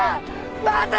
待て！